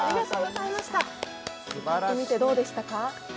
歌ってみてどうでしたか？